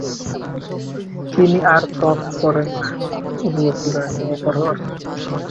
তিনি আর তর্ক করেন না, উপলব্ধি করেন।